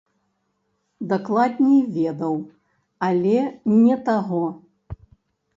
Дакладней ведаў, але не таго.